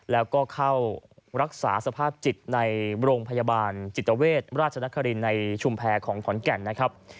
แล้วก็เข้ารักษาสภาพจิตในโรงพยาบาลจิตเวชราชนครินในชุมแพรของขอนแก่นนะครับ